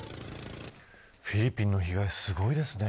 フィリピンの被害すごいですね。